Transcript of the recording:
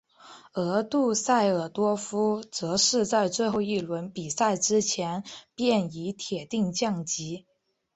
而杜塞尔多夫则是在最后一轮比赛之前便已铁定降级。